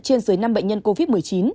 trên dưới năm bệnh nhân covid một mươi chín